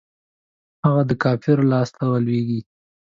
هغه د کفارو لاسته لویږي.